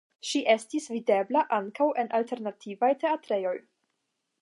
Ŝi estis videbla ankaŭ en alternativaj teatrejoj.